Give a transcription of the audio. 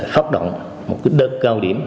phát động một đất cao điểm